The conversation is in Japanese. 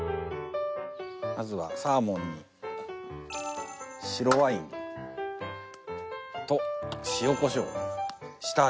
まずはサーモンに白ワインと塩コショウ下味を付けます。